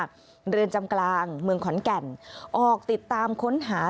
เรือนจำกลางเมืองขอนแก่นออกติดตามค้นหา